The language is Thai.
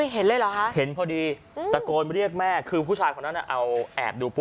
เห็นเลยหรอฮะตะโกนไปเรียกแม่คือผู้ชายคนนั้นแอบดู